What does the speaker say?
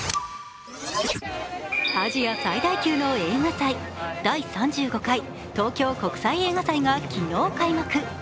アジア最大級の映画祭第３５回東京国際映画祭が昨日開幕。